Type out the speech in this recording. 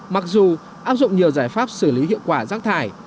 mặc dù áp dụng nhiều giải pháp xử lý hiệu quả rác thải